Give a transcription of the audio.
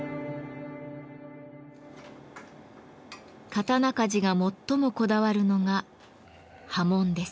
刀鍛冶が最もこだわるのが刃文です。